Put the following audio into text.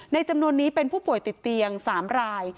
จำนวนนี้เป็นผู้ป่วยติดเตียง๓ราย